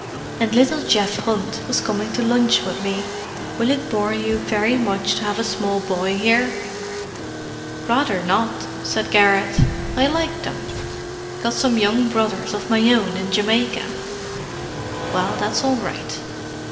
"And little Geoff Hunt was coming to lunch with me. Will it bore you very much to have a small boy here?" "Rather not!" said Garrett. "I like them—got some young brothers of my own in Jamaica." "Well, that's all right.